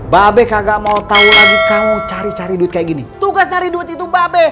babek agak mau tau lagi kamu cari cari duit kayak gini tugas dari duit itu babek